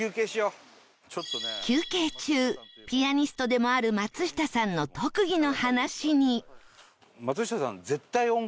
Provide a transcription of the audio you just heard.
休憩中ピアニストでもある松下さんの特技の話に